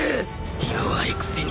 弱いくせに！